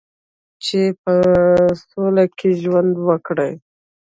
چې په سوله کې ژوند وکړي.